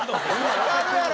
わかるやろ！